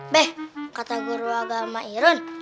be kata guru agama iron